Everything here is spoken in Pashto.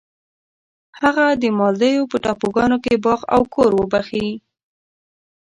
هغه د مالدیو په ټاپوګانو کې باغ او کور وبخښی.